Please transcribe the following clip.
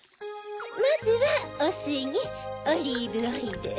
まずはおすにオリーブオイル。